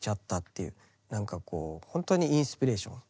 何かこうほんとにインスピレーション。